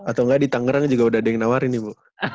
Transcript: atau enggak di tangerang juga udah ada yang nawarin nih bu